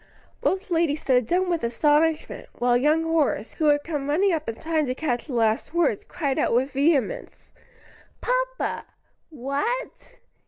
Both ladies stood dumb with astonishment, while young Horace, who had come running up in time to catch the last words, cried out with vehemence, "Papa! what!